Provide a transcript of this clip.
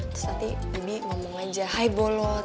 terus nanti bibi ngomong aja high bolot